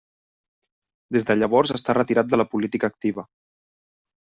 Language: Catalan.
Des de llavors està retirat de la política activa.